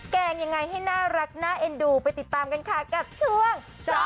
แกงยังไงให้น่ารักน่าเอ็นดูไปติดตามกันค่ะกับช่วงจอ